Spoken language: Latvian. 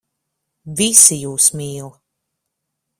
Visi jūs mīl.